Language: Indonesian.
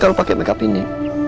kalau pake makeup ini